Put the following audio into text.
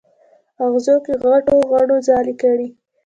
اغزو کې غټو غڼو ځالې کړي